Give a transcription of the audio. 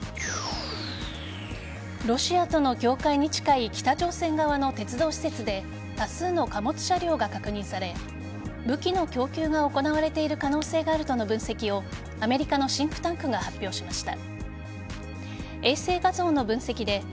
ロシアとの境界に近い北朝鮮側の鉄道施設で多数の貨物車両が確認され武器の供給が行われている可能性があるとの分析をアメリカのシンクタンクが発表しました。